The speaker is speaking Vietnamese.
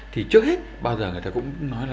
trước hết bao giờ người ta cũng nói là